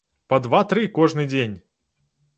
Па два-тры кожны дзень!